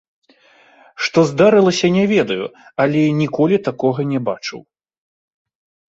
Што здарылася, не ведаю, але ніколі такога не бачыў.